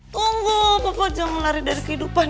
tunggu papa jangan lari dari kehidupan